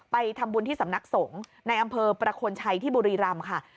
ไปทำบุญที่สำนักสงฆ์ในอำเภอประคลชัยที่บุรีรำค่ะ